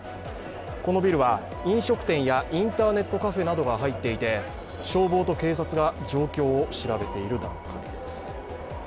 このビルは飲食店やインターネットカフェなどが入っていて消防と警察が状況を調べている段階です。